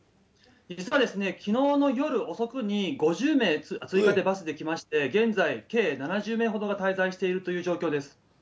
実はですね、きのうの夜遅くに、５０名追加でバスで来まして、現在、計７０名ほどが滞在しているという状況です。